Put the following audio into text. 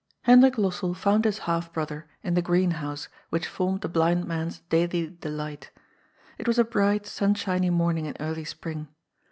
Hekdbik Lossell found his half brother in the green house which formed the blind man's daily delight. It was a bright, sunshiny morning in early spring.